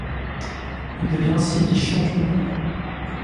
Il devient ainsi vice champion du Monde.